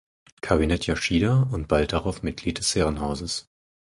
Kabinett Yoshida und bald darauf Mitglied des Herrenhauses.